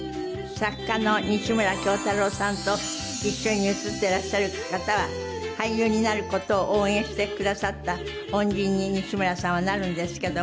作家の西村京太郎さんと一緒に写っていらっしゃる方は俳優になる事を応援してくださった恩人に西村さんはなるんですけども。